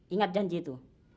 ingat janji itu